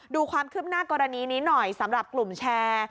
ดูความคืบหน้ากรณีนี้หน่อยสำหรับกลุ่มแชร์